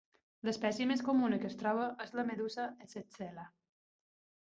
L'espècie més comuna que es troba és la medusa "Essexella".